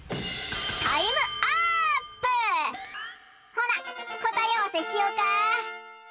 ほなこたえあわせしよか。